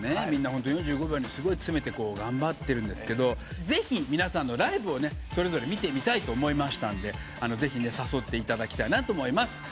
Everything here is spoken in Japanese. みんな４５秒にすごい詰めて頑張ってるんですけどぜひ皆さんのライブをそれぞれ見てみたいと思いましたんでぜひ誘っていただきたいなと思います。